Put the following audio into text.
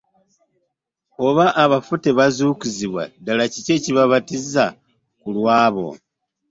Oba ng'abafu tebazuukizibwa ddala, kiki ekibabatizisa ku lw'abo?